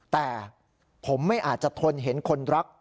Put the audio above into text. แต่ผมไม่อาจจะทนเห็นคนรัก